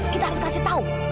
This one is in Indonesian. kita harus kasih tahu